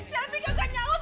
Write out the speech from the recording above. selvi kagak nyawut